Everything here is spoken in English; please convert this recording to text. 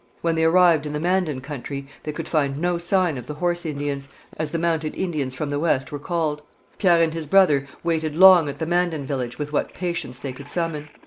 When they arrived in the Mandan country they could find no sign of the Horse Indians, as the mounted Indians from the West were called. Pierre and his brother waited long at the Mandan village with what patience they could summon.